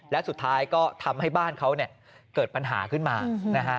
และสุดท้ายก็ทำให้บ้านเขาเนี่ยเกิดปัญหาขึ้นมานะฮะ